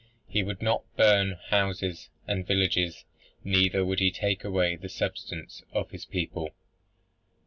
"He would not burn houses and villages, neither would he take away the substance of his people."